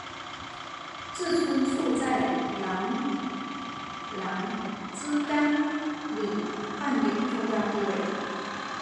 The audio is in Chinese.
志村簇在郎兰兹纲领扮演重要地位。